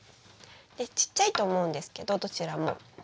でちっちゃいと思うんですけどどちらも。